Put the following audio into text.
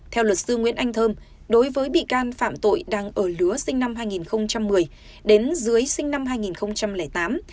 theo luật sư nguyễn anh thơm đối với bị can phạm tội đang ở lứa sinh năm hai nghìn một mươi đến dưới sinh năm hai nghìn tám